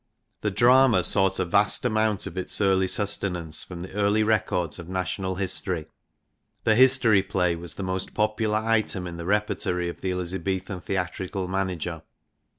The drama sought a vast amount of its early sustenance from the early records of national history. The history play was the most popular item in the repertory of the Elizabethan theatrical manager.